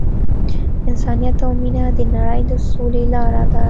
انسانیت او مینه د نړۍ د سولې لاره ده.